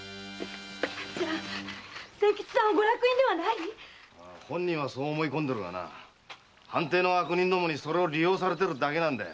じゃあ千吉さんはご落胤ではない⁉本人はそう思い込んでるが藩邸の悪人どもに利用されてるだけだ。